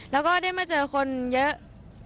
แล้วก็ได้มาเจอคนเยอะ